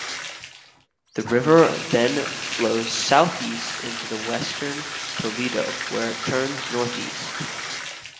The river then flows southeast into western Toledo, where it turns northeast.